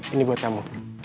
ini buat kamu